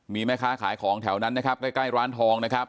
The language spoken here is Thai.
มีแม่ค้าขายของแถวนั้นนะครับใกล้ร้านทองนะครับ